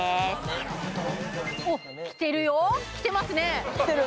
なるほどおっきてるよきてますねきてる